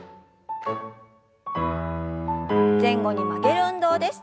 前後に曲げる運動です。